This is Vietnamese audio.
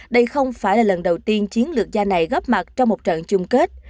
đây không phải là lần đầu tiên chiến lược gia này góp mặt trong một trận chung kết